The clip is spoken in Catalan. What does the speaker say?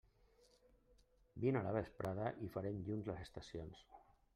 Vine a la vesprada i farem junts les estacions.